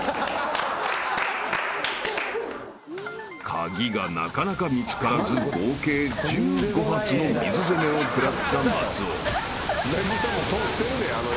［鍵がなかなか見つからず合計１５発の水責めを食らった松尾］